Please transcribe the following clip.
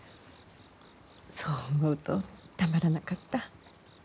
そう思うとたまらなかった。